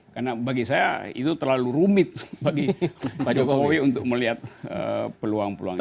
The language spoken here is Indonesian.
karena bagi saya itu terlalu rumit bagi pak jokowi untuk melihat peluang peluang itu